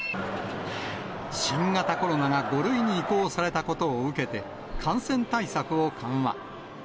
新型コロナが５類に移行されたことを受けて、感染対策を緩和。